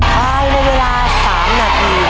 ได้ในเวลาสามนาทีเลยครับ